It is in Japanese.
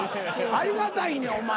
ありがたいねんお前。